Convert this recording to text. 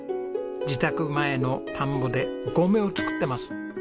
自宅前の田んぼでお米を作っています。